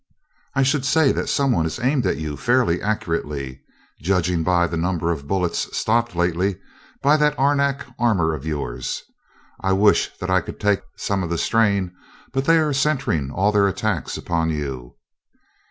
"I should say that someone had aimed at you fairly accurately, judging by the number of bullets stopped lately by that arenak armor of yours. I wish that I could take some of the strain, but they are centering all their attacks upon you."